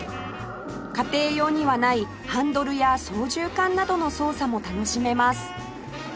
家庭用にはないハンドルや操縦桿などの操作も楽しめます